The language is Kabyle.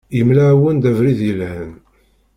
Yemla-awen-d abrid yelhan.